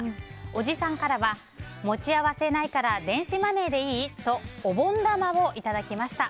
おじさんからは持ち合わせないから電子マネーでいい？とお盆玉をいただきました。